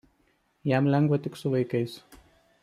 Jam lengva tik su vaikais.